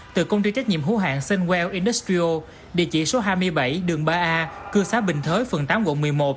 từ công ty trách nhiệm hữu hạng sunwell industrial địa chỉ số hai mươi bảy đường ba a cư xá bình thới phường tám quận một mươi một